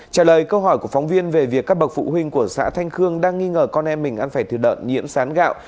trả lời câu hỏi của phóng viên về việc các bậc phụ huynh của xã thanh khương đang nghi ngờ con em mình ăn phải thịt lợn nhiễm sán gạo